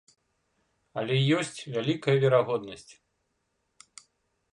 Але ёсць вялікая верагоднасць.